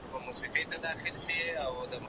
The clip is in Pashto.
ګډي کميټي ولي شتون لري؟